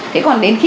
thế còn đến khi